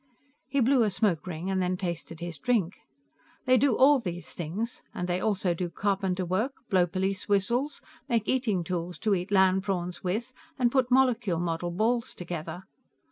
He blew a smoke ring, and then tasted his drink. "They do all these things, and they also do carpenter work, blow police whistles, make eating tools to eat land prawns with and put molecule model balls together.